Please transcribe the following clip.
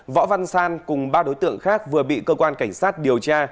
võ văn san cùng ba đối tượng khác vừa bị cơ quan cảnh sát điều tra